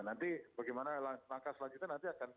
nanti bagaimana langkah selanjutnya nanti akan kami tentukan